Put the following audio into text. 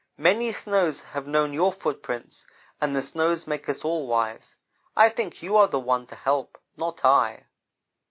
Many snows have known your footprints, and the snows make us all wise. I think you are the one to help, not I.'